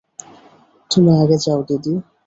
তুমি আগে যাও দিদি।